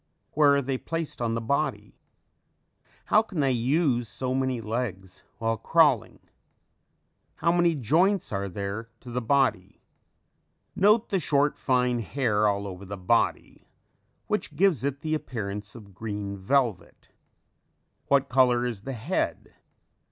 Where are they placed on the body? How can they use so many legs while crawling? How many joints are there to the body? Note the short fine hair all over the body which gives it the appearance of green velvet. What color is the head?